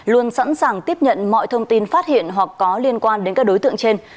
luôn sẵn sàng tiếp nhận mọi thông tin phát hiện hoặc có liên quan đến các đối tượng trên